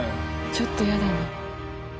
ちょっと嫌だな。